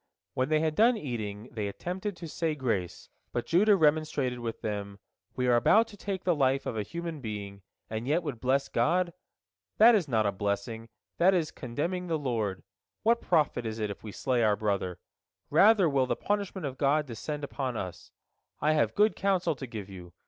When they had done eating, they attempted to say grace, but Judah remonstrated with them: "We are about to take the life of a human being, and yet would bless God? That is not a blessing, that is contemning the Lord. What profit is it if we slay our brother? Rather will the punishment of God descend upon us. I have good counsel to give you.